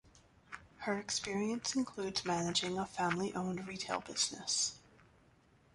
Her experience includes managing a family-owned retail business.